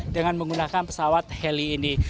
dengan menggunakan pesawat heli ini